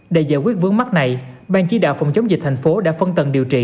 để giải quyết vướng mắt này ban chí đạo phòng chống dịch tp hcm đã phân tầng điều trị